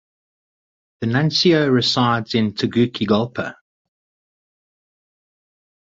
The nuncio resides in Tegucigalpa.